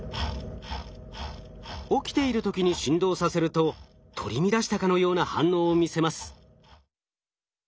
起きている時に振動させると取り乱したかのような反応を見せます。